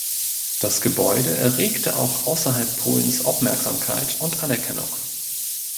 Das Gebäude erregte auch außerhalb Polens Aufmerksamkeit und Anerkennung.